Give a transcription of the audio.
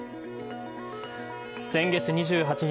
先月２８日